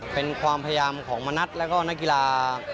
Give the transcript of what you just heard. เป็นความพยายามของมณัฐแล้วก็นักกีฬา